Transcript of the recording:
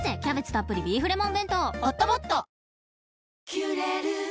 「キュレル」